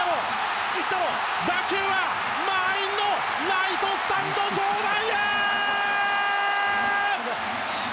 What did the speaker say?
打球は満員のライトスタンド上段へ！